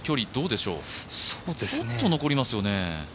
ちょっと残りますよね？